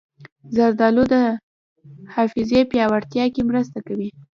زردالو د حافظې پیاوړتیا کې مرسته کوي.